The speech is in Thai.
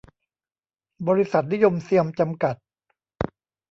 บริษัท นิยมเซียม จำกัด